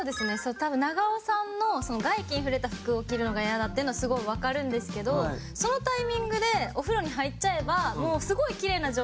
多分長尾さんのその外気に触れた服を着るのが嫌だっていうのはすごいわかるんですけどそのタイミングでお風呂に入っちゃえば。